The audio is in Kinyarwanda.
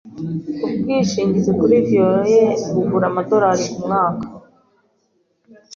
Ubwishingizi kuri violon ye bugura amadorari kumwaka.